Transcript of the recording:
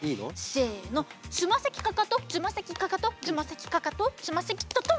せのつまさきかかとつまさきかかとつまさきかかとつまさきトトン！